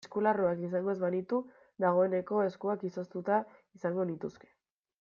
Eskularruak izango ez banitu dagoeneko eskuak izoztuta izango nituzke.